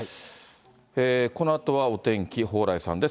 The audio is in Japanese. このあとはお天気、蓬莱さんです。